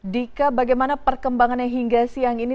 dika bagaimana perkembangannya hingga siang ini